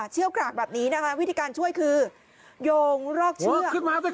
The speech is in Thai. เชี่ยวกราบแบบนี้นะคะวิธีการช่วยคือโยงรอกเชือก